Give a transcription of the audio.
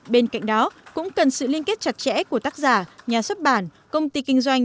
bên cạnh đó cũng cần sự liên kết chặt chẽ của tác giả nhà xuất bản công ty kinh doanh